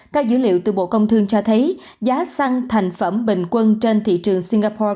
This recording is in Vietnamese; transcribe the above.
các dữ liệu từ bộ công thương cho thấy giá xăng thành phẩm bình quân trên thị trường singapore